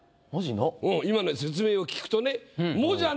今の説明を聞くとね。